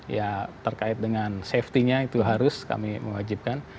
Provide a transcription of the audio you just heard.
ya terkait dengan safety nya itu harus kami mewajibkan